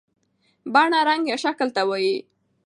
بڼه رنګ یا شکل ته وایي.